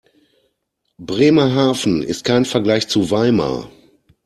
Bremerhaven ist kein Vergleich zu Weimar